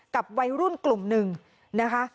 กับวัยรุ่นกลุ่มหนึ่งนะคะ